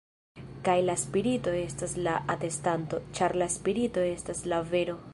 Kaj la Spirito estas la atestanto, ĉar la Spirito estas la vero.